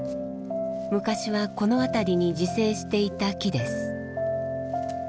昔はこの辺りに自生していた木です。